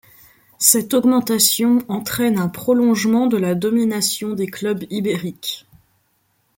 Cette augmentation entraîne un prolongement de la domination des clubs ibériques.